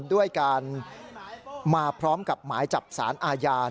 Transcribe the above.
ด้วยการมาพร้อมกับหมายจับสารอาญา